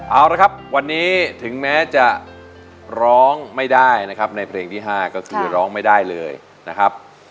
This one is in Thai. เอาละครับวันนี้ถึงแม้จะร้องไม่ได้นะครับในเพลงที่๕ก็คือร้องไม่ได้เลยนะครับ